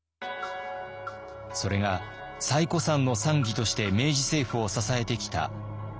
それが最古参の参議として明治政府を支えてきた大隈重信です。